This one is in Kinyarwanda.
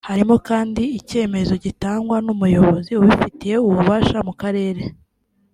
Harimo kandi icyemezo gitangwa n’umuyobozi ubifitiye ububasha mu Karere